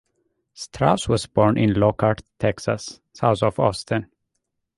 Strauss was born in Lockhart, Texas, south of Austin.